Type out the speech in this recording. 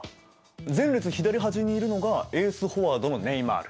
前列左端にいるのがエースフォワードのネイマール。